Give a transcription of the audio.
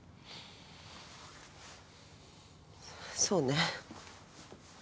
そうね。